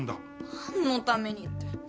何のためにって。